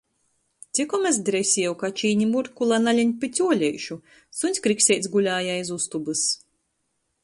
Cikom es dresieju kačini Murku, lai nalein pi cuoleišu, suņs Krikseits gulēja aiz ustobys.